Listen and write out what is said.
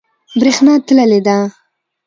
بریښنا تللی ده